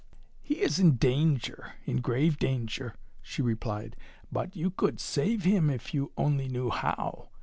"He is in danger in grave danger," she replied. "But you could save him, if you only knew how.